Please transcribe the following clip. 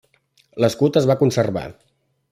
L'escut es va conservar.